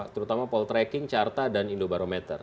terutama poll tracking carta dan indobarometer